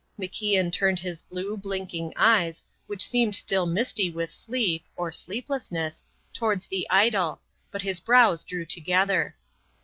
MacIan turned his blue, blinking eyes, which seemed still misty with sleep (or sleeplessness) towards the idol, but his brows drew together.